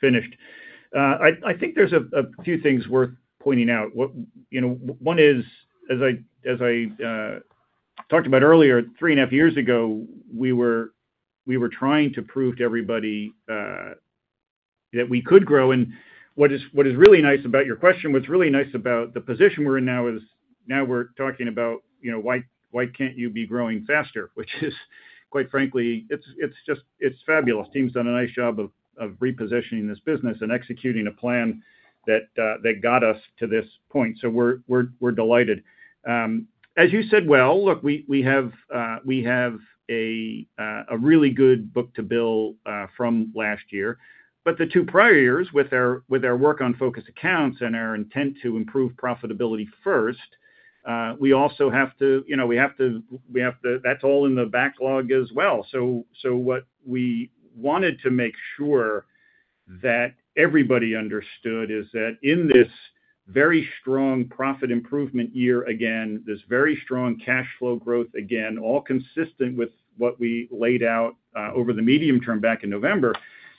S3: finished. I think there are a few things worth pointing out. One is, as I talked about earlier, three and a half years ago, we were trying to prove to everybody that we could grow. What is really nice about your question, what's really nice about the position we're in now is now we're talking about why can't you be growing faster, which is, quite frankly, it's fabulous. Team's done a nice job of repositioning this business and executing a plan that got us to this point. We are delighted. As you said, we have a really good book to bill from last year. The two prior years, with our work on focus accounts and our intent to improve profitability first, we also have to, we have to, that's all in the backlog as well. What we wanted to make sure that everybody understood is that in this very strong profit improvement year again, this very strong cash flow growth again, all consistent with what we laid out over the medium term back in November,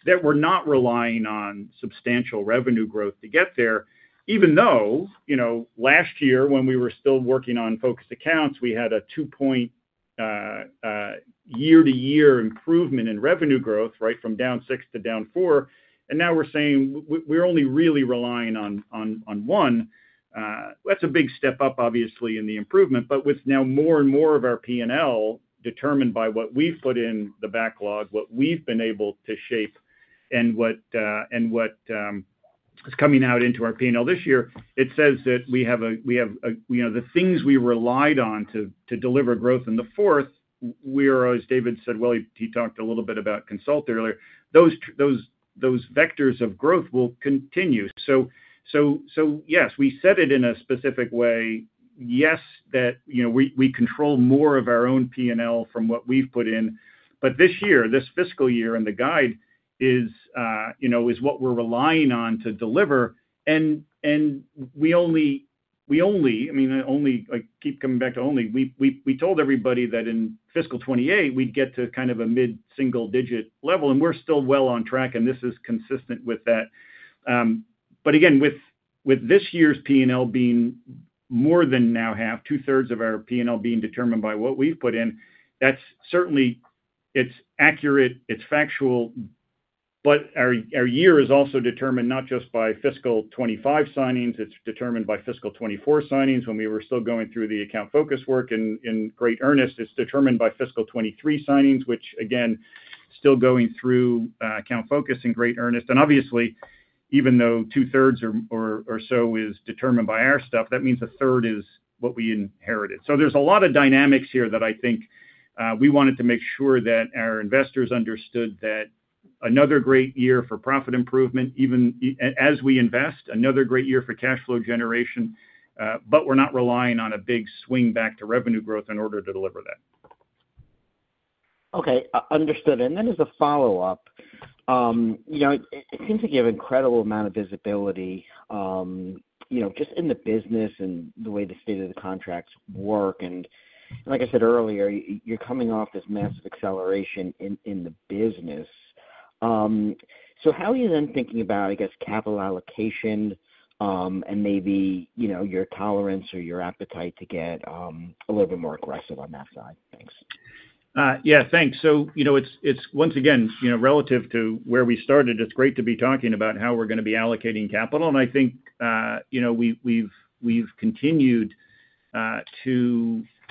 S3: that we're not relying on substantial revenue growth to get there. Even though last year, when we were still working on focus accounts, we had a two-point year-to-year improvement in revenue growth, right, from down 6% to down 4%. Now we're saying we're only really relying on one. That's a big step up, obviously, in the improvement. With now more and more of our P&L determined by what we've put in the backlog, what we've been able to shape, and what is coming out into our P&L this year, it says that we have the things we relied on to deliver growth. The fourth, as David said well, he talked a little bit about consult earlier. Those vectors of growth will continue. Yes, we set it in a specific way. Yes, that we control more of our own P&L from what we have put in. This year, this fiscal year and the guide is what we are relying on to deliver. We only, I mean, only keep coming back to only. We told everybody that in fiscal 2028, we would get to kind of a mid-single digit level. We are still well on track. This is consistent with that. Again, with this year's P&L being more than now half, two-thirds of our P&L being determined by what we have put in, that is certainly accurate. It is factual. Our year is also determined not just by fiscal 2025 signings. It is determined by fiscal 2024 signings. When we were still going through the account focus work in great earnest, it is determined by fiscal 2023 signings, which, again, still going through account focus in great earnest. Obviously, even though two-thirds or so is determined by our stuff, that means a third is what we inherited. There is a lot of dynamics here that I think we wanted to make sure that our investors understood that another great year for profit improvement, even as we invest, another great year for cash flow generation. We are not relying on a big swing back to revenue growth in order to deliver that.
S7: Okay. Understood. As a follow-up, it seems like you have an incredible amount of visibility just in the business and the way the state of the contracts work. Like I said earlier, you are coming off this massive acceleration in the business. How are you then thinking about, I guess, capital allocation and maybe your tolerance or your appetite to get a little bit more aggressive on that side? Thanks.
S3: Yeah. Thanks. Once again, relative to where we started, it's great to be talking about how we're going to be allocating capital. I think we've continued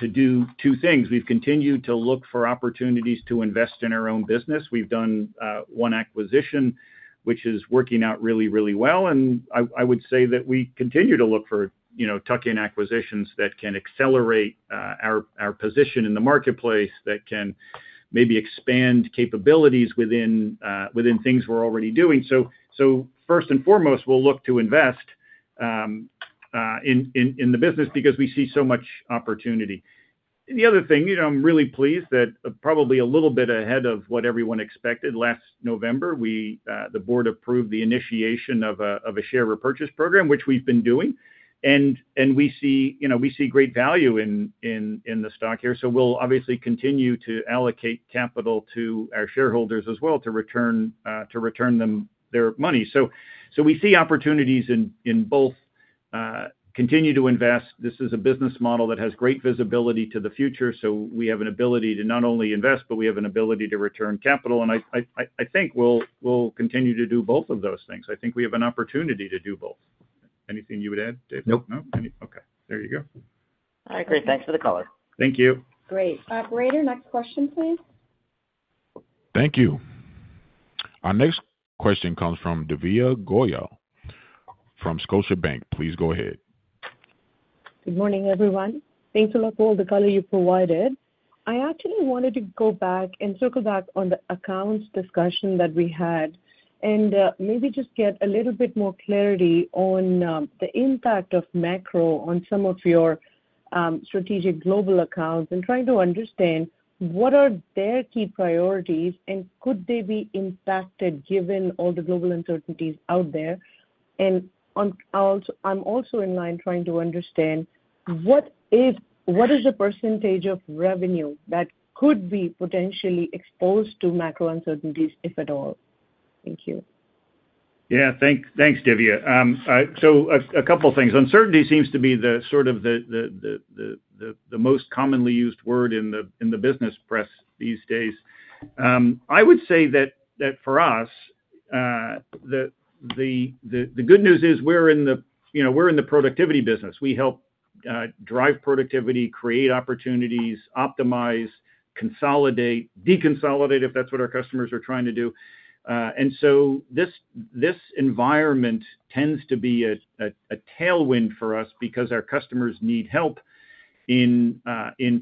S3: to do two things. We've continued to look for opportunities to invest in our own business. We've done one acquisition, which is working out really, really well. I would say that we continue to look for tuck-in acquisitions that can accelerate our position in the marketplace, that can maybe expand capabilities within things we're already doing. First and foremost, we'll look to invest in the business because we see so much opportunity. The other thing, I'm really pleased that probably a little bit ahead of what everyone expected. Last November, the board approved the initiation of a share repurchase program, which we've been doing. We see great value in the stock here. We will obviously continue to allocate capital to our shareholders as well to return them their money. We see opportunities in both continue to invest. This is a business model that has great visibility to the future. We have an ability to not only invest, but we have an ability to return capital. I think we will continue to do both of those things. I think we have an opportunity to do both. Anything you would add, David?
S4: No.
S3: No? Okay. There you go.
S7: I agree. Thanks for the color.
S3: Thank you.
S2: Great. Operator, next question, please.
S1: Thank you. Our next question comes from Divya Goyal from Scotiabank. Please go ahead.
S8: Good morning, everyone. Thanks a lot for all the color you provided. I actually wanted to go back and circle back on the accounts discussion that we had and maybe just get a little bit more clarity on the impact of macro on some of your strategic global accounts and trying to understand what are their key priorities and could they be impacted given all the global uncertainties out there. I'm also in line trying to understand what is the percentage of revenue that could be potentially exposed to macro uncertainties, if at all. Thank you.
S3: Yeah. Thanks, Divya. So a couple of things. Uncertainty seems to be the sort of the most commonly used word in the business press these days. I would say that for us, the good news is we're in the productivity business. We help drive productivity, create opportunities, optimize, consolidate, deconsolidate if that's what our customers are trying to do. This environment tends to be a tailwind for us because our customers need help in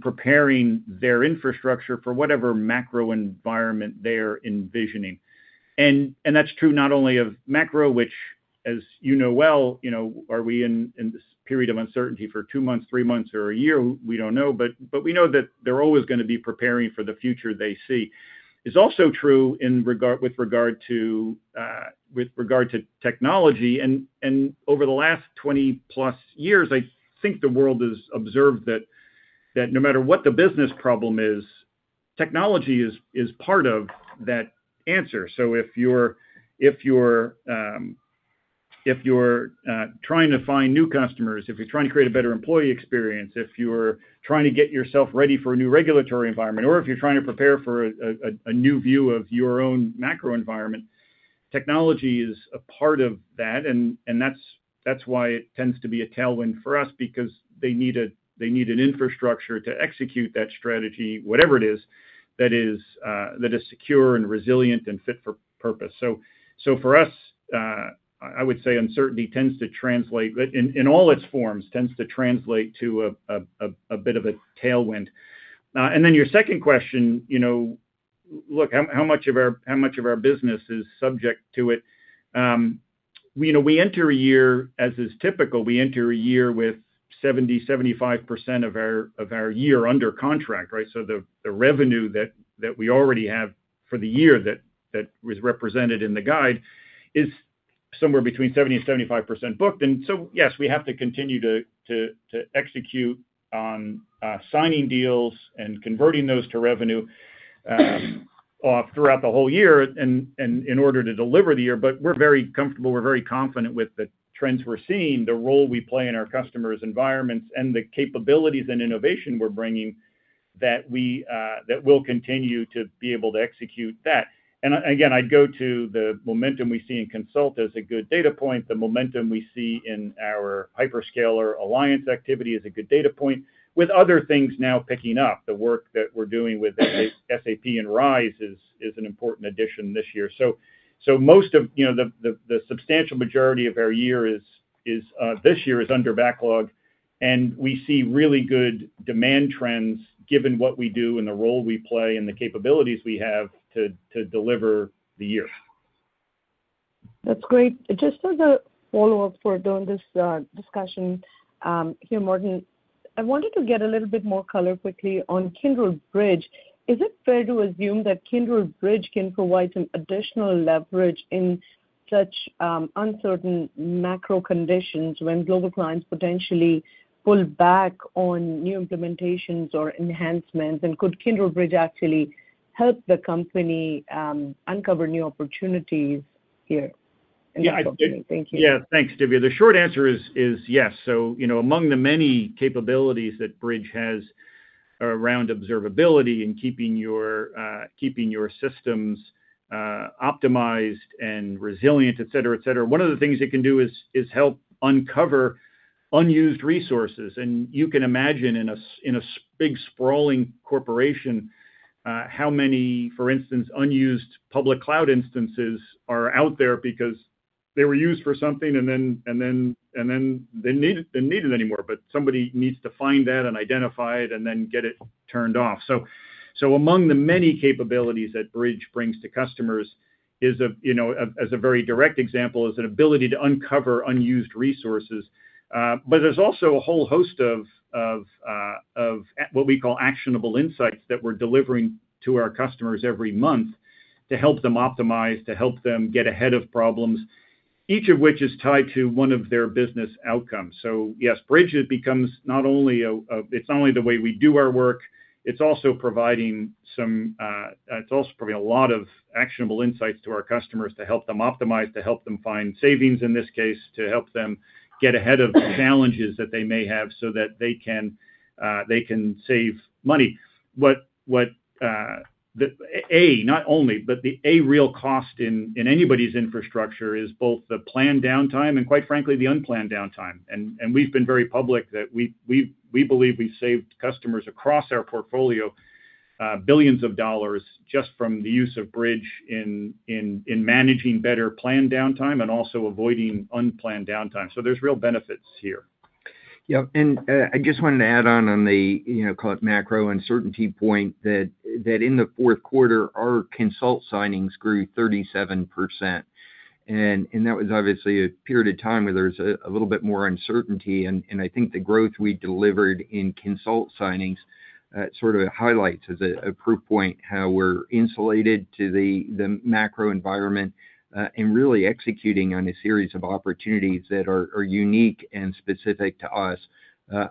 S3: preparing their infrastructure for whatever macro environment they're envisioning. That is true not only of macro, which, as you know well, are we in this period of uncertainty for two months, three months, or a year? We do not know. We know that they're always going to be preparing for the future they see. It is also true with regard to technology. Over the last 20-plus years, I think the world has observed that no matter what the business problem is, technology is part of that answer. If you're trying to find new customers, if you're trying to create a better employee experience, if you're trying to get yourself ready for a new regulatory environment, or if you're trying to prepare for a new view of your own macro environment, technology is a part of that. That's why it tends to be a tailwind for us because they need an infrastructure to execute that strategy, whatever it is, that is secure and resilient and fit for purpose. For us, I would say uncertainty tends to translate in all its forms, tends to translate to a bit of a tailwind. Your second question, look, how much of our business is subject to it? We enter a year, as is typical, we enter a year with 70-75% of our year under contract, right? The revenue that we already have for the year that was represented in the guide is somewhere between 70-75% booked. Yes, we have to continue to execute on signing deals and converting those to revenue throughout the whole year in order to deliver the year. We are very comfortable. We are very confident with the trends we are seeing, the role we play in our customers' environments, and the capabilities and innovation we are bringing that will continue to be able to execute that. Again, I would go to the momentum we see in consult as a good data point. The momentum we see in our hyperscaler alliance activity is a good data point, with other things now picking up. The work that we are doing with SAP and Rise is an important addition this year. Most of the substantial majority of our year this year is under backlog. We see really good demand trends given what we do and the role we play and the capabilities we have to deliver the year.
S8: That's great. Just as a follow-up for doing this discussion here, Martin, I wanted to get a little bit more color quickly on Kyndryl Bridge. Is it fair to assume that Kyndryl Bridge can provide some additional leverage in such uncertain macro conditions when global clients potentially pull back on new implementations or enhancements? Could Kyndryl Bridge actually help the company uncover new opportunities here? Yeah. Thank you.
S3: Yeah. Thanks, Divya. The short answer is yes. Among the many capabilities that Bridge has around observability and keeping your systems optimized and resilient, etc., etc., one of the things it can do is help uncover unused resources. You can imagine in a big sprawling corporation how many, for instance, unused public cloud instances are out there because they were used for something and then they are not needed anymore. Somebody needs to find that and identify it and then get it turned off. Among the many capabilities that Bridge brings to customers, as a very direct example, is an ability to uncover unused resources. There is also a whole host of what we call actionable insights that we are delivering to our customers every month to help them optimize, to help them get ahead of problems, each of which is tied to one of their business outcomes. Yes, Bridge becomes not only the way we do our work. It's also providing a lot of actionable insights to our customers to help them optimize, to help them find savings, in this case, to help them get ahead of challenges that they may have so that they can save money. Not only, but the real cost in anybody's infrastructure is both the planned downtime and, quite frankly, the unplanned downtime. We have been very public that we believe we have saved customers across our portfolio billions of dollars just from the use of Bridge in managing better planned downtime and also avoiding unplanned downtime. There are real benefits here.
S4: Yep. I just wanted to add on the, call it macro uncertainty point, that in the fourth quarter, our consult signings grew 37%. That was obviously a period of time where there was a little bit more uncertainty. I think the growth we delivered in consult signings sort of highlights as a proof point how we're insulated to the macro environment and really executing on a series of opportunities that are unique and specific to us,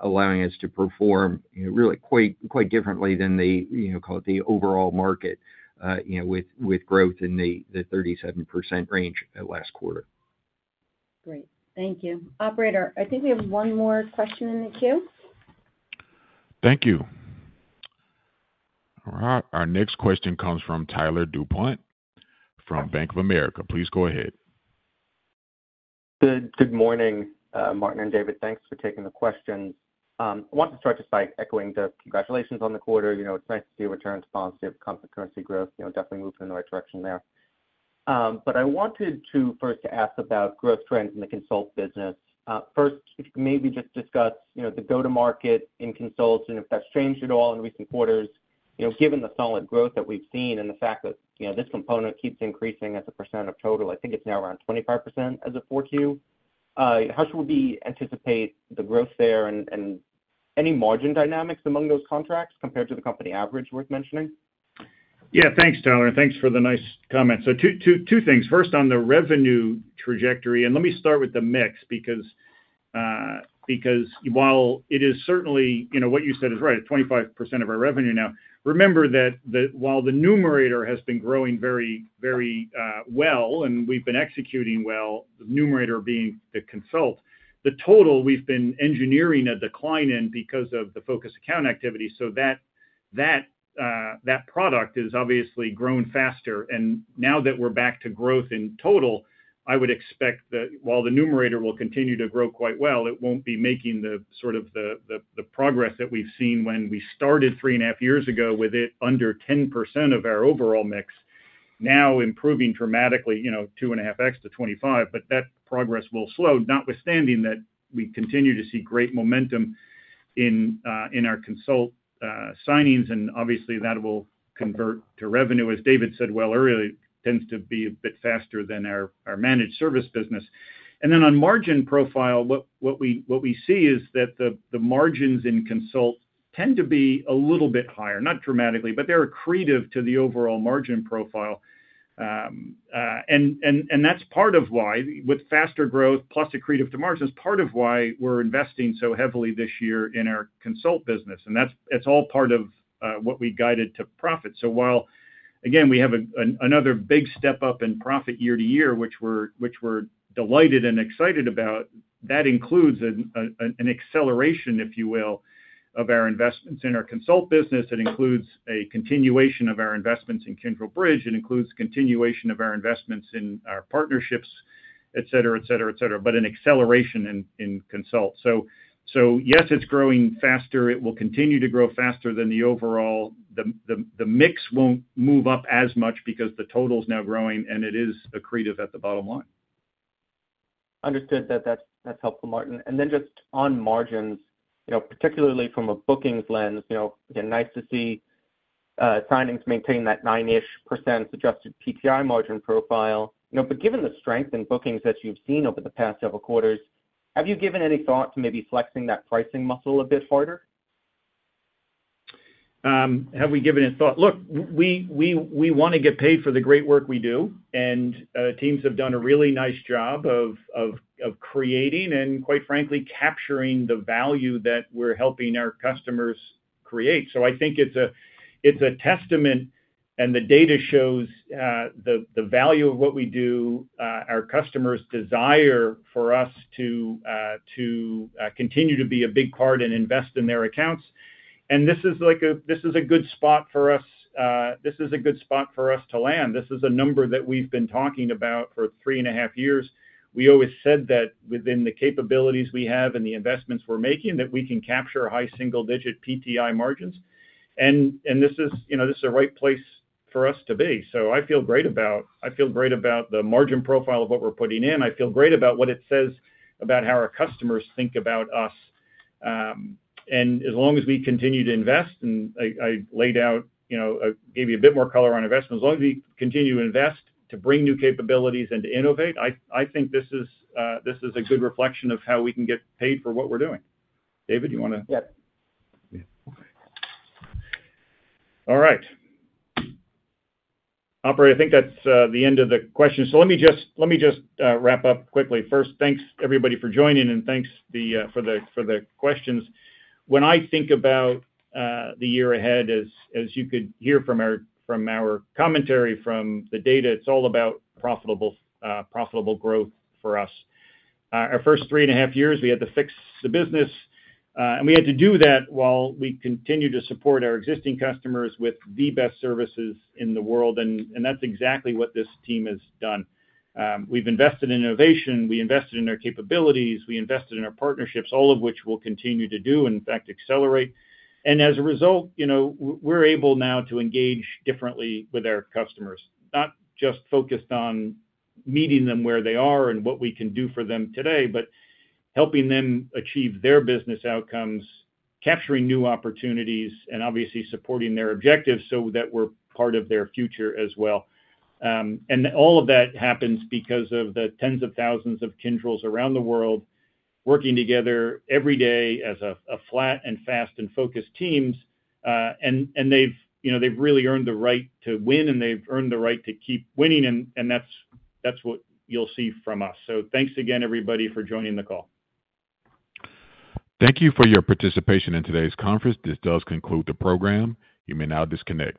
S4: allowing us to perform really quite differently than the, call it the overall market, with growth in the 37% range last quarter.
S8: Great. Thank you.
S2: Operator, I think we have one more question in the queue.
S1: Thank you. All right. Our next question comes from Tyler DuPont from Bank of America. Please go ahead.
S9: Good morning, Martin and David. Thanks for taking the questions. I want to start just by echoing the congratulations on the quarter. It's nice to see a return to positive constant currency growth. Definitely moving in the right direction there. I wanted to first ask about growth trends in the consult business. First, maybe just discuss the go-to-market in consult and if that's changed at all in recent quarters. Given the solid growth that we've seen and the fact that this component keeps increasing as a percent of total, I think it's now around 25% as of Q4. How should we anticipate the growth there and any margin dynamics among those contracts compared to the company average worth mentioning?
S3: Yeah. Thanks, Tyler. Thanks for the nice comment. Two things. First, on the revenue trajectory. Let me start with the mix because while it is certainly what you said is right, 25% of our revenue now. Remember that while the numerator has been growing very well and we've been executing well, the numerator being the consult, the total we've been engineering a decline in because of the focus account activity. That product has obviously grown faster. Now that we are back to growth in total, I would expect that while the numerator will continue to grow quite well, it will not be making the sort of progress that we saw when we started three and a half years ago with it under 10% of our overall mix, now improving dramatically, two and a half X to 25%. That progress will slow, notwithstanding that we continue to see great momentum in our consult signings. Obviously, that will convert to revenue. As David said well earlier, it tends to be a bit faster than our managed service business. On margin profile, what we see is that the margins in consult tend to be a little bit higher, not dramatically, but they are accretive to the overall margin profile. That is part of why, with faster growth plus accretive to margins, part of why we are investing so heavily this year in our consult business. It is all part of what we guided to profit. While, again, we have another big step up in profit year to year, which we are delighted and excited about, that includes an acceleration, if you will, of our investments in our consult business. It includes a continuation of our investments in Kyndryl Bridge. It includes continuation of our investments in our partnerships, etc., etc., etc., but an acceleration in consult. Yes, it is growing faster. It will continue to grow faster than the overall. The mix will not move up as much because the total is now growing, and it is accretive at the bottom line.
S9: Understood. That is helpful, Martin. Just on margins, particularly from a bookings lens, again, nice to see signings maintain that nine-ish % suggested PTI margin profile. Given the strength in bookings that you've seen over the past several quarters, have you given any thought to maybe flexing that pricing muscle a bit harder? Have we given it thought?
S3: Look, we want to get paid for the great work we do. Teams have done a really nice job of creating and, quite frankly, capturing the value that we're helping our customers create. I think it's a testament, and the data shows the value of what we do, our customers' desire for us to continue to be a big part and invest in their accounts. This is a good spot for us. This is a good spot for us to land. This is a number that we've been talking about for three and a half years. We always said that within the capabilities we have and the investments we're making, that we can capture high single-digit PTI margins. This is the right place for us to be. I feel great about the margin profile of what we're putting in. I feel great about what it says about how our customers think about us. As long as we continue to invest, and I laid out, I gave you a bit more color on investment. As long as we continue to invest to bring new capabilities and to innovate, I think this is a good reflection of how we can get paid for what we're doing. David, do you want to? Yeah. Okay. All right. Operator, I think that's the end of the question. Let me just wrap up quickly. First, thanks everybody for joining, and thanks for the questions. When I think about the year ahead, as you could hear from our commentary, from the data, it is all about profitable growth for us. Our first three and a half years, we had to fix the business. We had to do that while we continued to support our existing customers with the best services in the world. That is exactly what this team has done. We have invested in innovation. We invested in our capabilities. We invested in our partnerships, all of which we will continue to do, in fact, accelerate. As a result, we're able now to engage differently with our customers, not just focused on meeting them where they are and what we can do for them today, but helping them achieve their business outcomes, capturing new opportunities, and obviously supporting their objectives so that we're part of their future as well. All of that happens because of the tens of thousands of Kyndryls around the world working together every day as flat and fast and focused teams. They've really earned the right to win, and they've earned the right to keep winning. That's what you'll see from us. Thanks again, everybody, for joining the call. Thank you for your participation in today's conference. This does conclude the program. You may now disconnect.